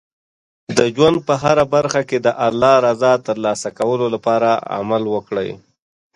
د ژوند په هره برخه کې د الله رضا ترلاسه کولو لپاره عمل وکړئ.